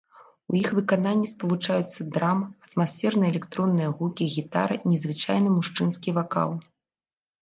У іх выкананні спалучаюцца драм, атмасферныя электронныя гукі, гітара і незвычайны мужчынскі вакал.